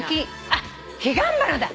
あっヒガンバナだ！